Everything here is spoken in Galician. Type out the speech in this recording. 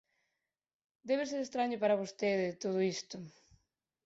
Debe ser estraño para vostede, todo isto.